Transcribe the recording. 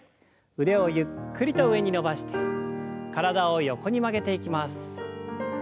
腕をゆっくりと上に伸ばして体を横に曲げていきます。